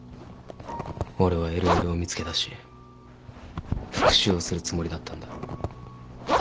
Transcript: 俺はＬＬを見つけだし復讐をするつもりだったんだ。